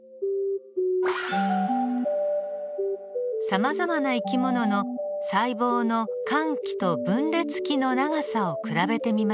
さまざまな生き物の細胞の間期と分裂期の長さを比べてみましょう。